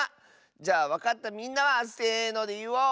じゃあわかったみんなはせのでいおう！